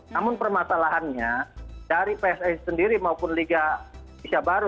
namun permasalahannya dari psi sendiri maupun liga indonesia baru